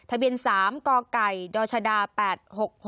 ะเบียนสามกอไก่โดยชาดาแปด